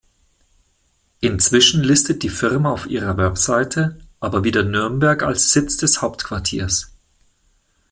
Inzwischen listet die Firma auf ihrer Website aber wieder Nürnberg als Sitz des Hauptquartiers.